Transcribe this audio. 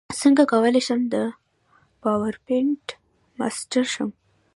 څنګه کولی شم د پاورپاینټ ماسټر شم